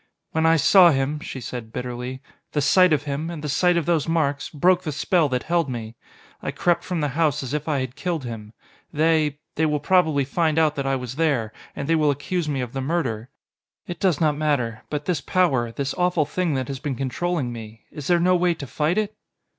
"When I saw him," she said bitterly, "the sight of him and the sight of those marks broke the spell that held me. I crept from the house as if I had killed him. They they will probably find out that I was there, and they will accuse me of the murder. It does not matter. But this power this awful thing that has been controlling me is there no way to fight it?"